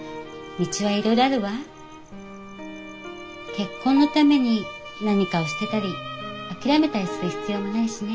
結婚のために何かを捨てたり諦めたりする必要もないしね。